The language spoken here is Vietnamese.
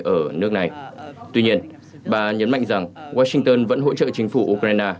ở nước này tuy nhiên bà nhấn mạnh rằng washington vẫn hỗ trợ chính phủ ukraine